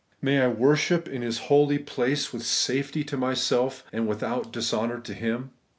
May I worship in His holy place, with safety to myself, and without dishonour to Him